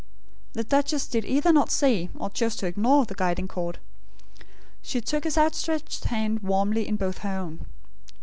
The duchess either did not see, or chose to ignore the guiding cord. She took his outstretched hand warmly in both her own.